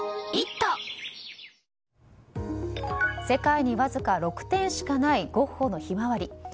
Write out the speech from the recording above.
世界にわずか６点しかないゴッホの「ひまわり」。